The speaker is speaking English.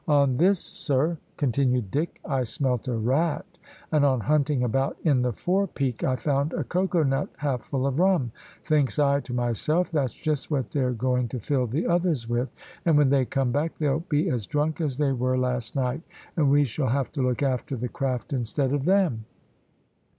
"On this, sir," continued Dick, "I smelt a rat; and on hunting about in the forepeak, I found a cocoa nut half full of rum. Thinks I to myself, that's just what they're going to fill the others with; and when they come back they'll be as drunk as they were last night, and we shall have to look after the craft instead of them."